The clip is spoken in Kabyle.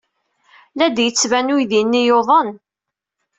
La d-yettban uydi-nni yuḍen.